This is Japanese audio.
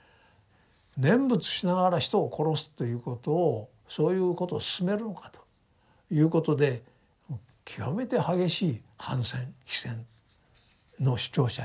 念仏しながら人を殺すということをそういうことを勧めるのかということで極めて激しい反戦非戦の主張者になるわけですね。